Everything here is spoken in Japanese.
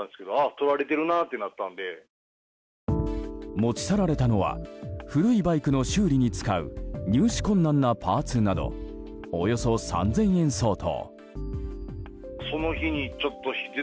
持ち去られたのは古いバイクの修理に使う入手困難なパーツなどおよそ３０００円相当。